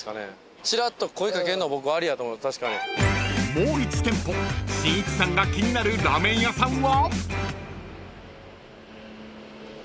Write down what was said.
［もう一店舗しんいちさんが気になるラーメン屋さんは］